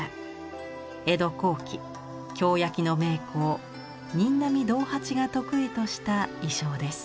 江戸後期京焼の名工仁阿弥道八が得意とした意匠です。